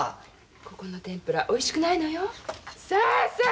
ここの天ぷらおいしくないのよさあさあ